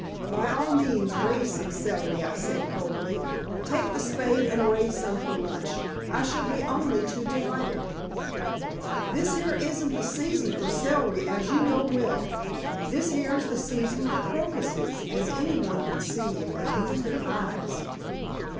"By all means raise some celery," I said coldly. "Take the spade and raise some for lunch. I shall be only too delighted." "This here isn't the season for celery, as you know well. This here's the season for crocuses, as any one can see if they use their eyes."